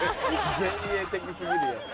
前衛的過ぎるよ。